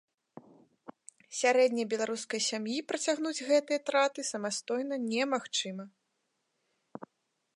Сярэдняй беларускай сям'і пацягнуць гэтыя траты самастойна немагчыма.